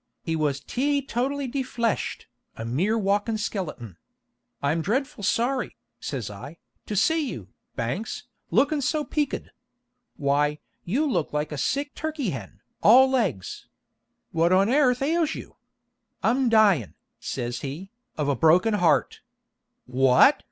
He was teetotally defleshed, a mere walkin' skeleton. 'I am dreadful sorry,' says I, 'to see you, Banks, lookin' so peaked. Why, you look like a sick turkey hen, all legs! What on airth ails you?' 'I'm dyin', says he, 'of a broken heart.' 'What!'